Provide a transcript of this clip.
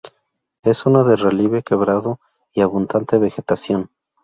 Es zona de relieve quebrado y abundante vegetación.